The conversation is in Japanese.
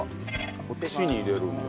こっちに入れるんだ。